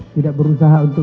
tidak berusaha untuk